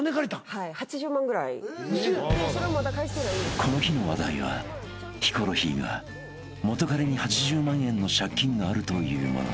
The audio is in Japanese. ［この日の話題はヒコロヒーが元カレに８０万円の借金があるというもの］